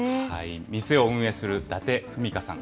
店を運営する伊達文香さん。